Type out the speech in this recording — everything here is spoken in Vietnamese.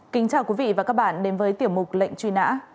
kính chào quý vị và các bạn đến với tiểu mục lệnh truy nã